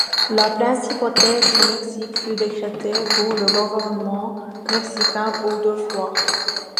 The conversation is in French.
La principauté du Mexique fut décrété pour le gouvernement mexicain pour deux fois.